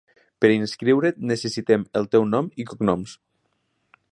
Per inscriure't necessitem el teu nom i cognoms.